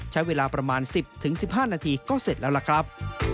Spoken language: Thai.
ใช้เวลาประมาณ๑๐๑๕นาทีก็เสร็จแล้วล่ะครับ